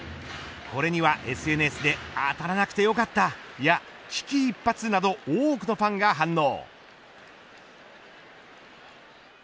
これにはＳＮＳで当たらなくてよかったやいや危機一髪など多くのファンが反応。